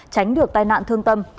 tránh được tai nạn thương tâm